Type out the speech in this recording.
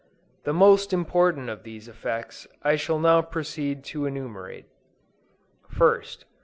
The most important of these effects, I shall now proceed to enumerate. 1st.